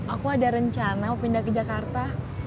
aku ada rencana mau pindah ke jakarta